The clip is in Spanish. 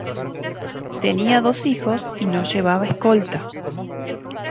Tenía dos hijos y no llevaba escolta.